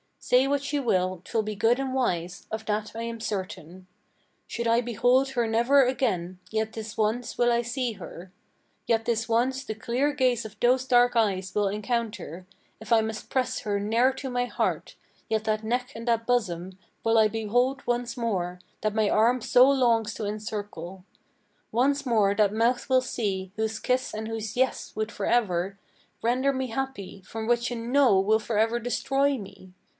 Say what she will, 'twill be good and wise; of that I am certain. Should I behold her never again, yet this once will I see her; Yet this once the clear gaze of those dark eyes will encounter, If I must press her ne'er to my heart, yet that neck and that bosom Will I behold once more, that my arm so longs to encircle; Once more that mouth will see, whose kiss and whose 'yes' would for ever Render me happy, from which a 'no' will for ever destroy me.